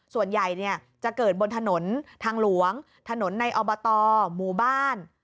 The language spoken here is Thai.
ส่วนใหญ่จะเกิดบนถนนทางหลวงถนนในอบตหมู่บ้าน